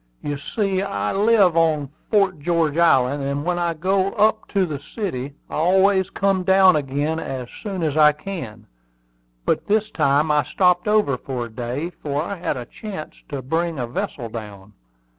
"You see, I live on Fort George Island, and when I go up to the city I always come down again as soon as I can; but this time I stopped over for a day, for I had a chance to bring a vessel down.